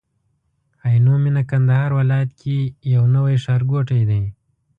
عينو مينه کندهار ولايت کي يو نوي ښارګوټي دي